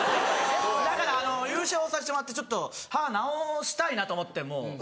だから優勝させてもらって歯なおしたいなと思ってもう。